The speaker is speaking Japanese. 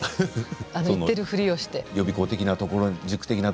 行っているふりをして。